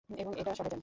এবং এটা সবাই জানে।